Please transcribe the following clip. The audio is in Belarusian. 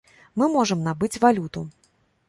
Мы можам набыць валюту.